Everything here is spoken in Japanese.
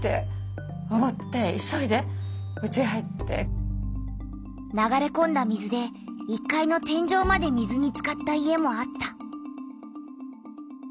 そして流れこんだ水で１階の天じょうまで水につかった家もあった。